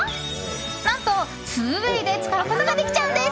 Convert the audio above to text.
何と２ウェーで使うことができちゃうんです。